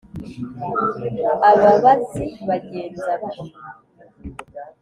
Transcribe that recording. ababazi bagenza batyo;